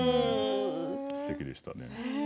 すてきでしたね。